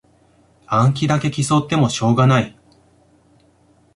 暗記だけ競ってもしょうがない